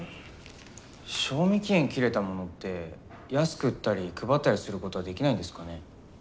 賞味期限切れたものって安く売ったり配ったりすることはできないんですかね？